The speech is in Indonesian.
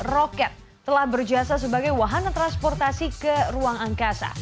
roket telah berjasa sebagai wahana transportasi ke ruang angkasa